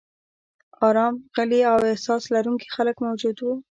ارام، غلي او احساس لرونکي خلک موجود و.